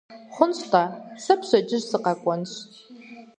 Хъунщ-тӀэ, сэ пщэдджыжь сыкъэкӀуэнщ.